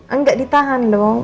enggak ditahan dong